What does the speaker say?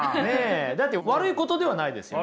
だって悪いことではないですよね。